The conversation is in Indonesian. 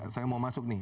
saya mau masuk nih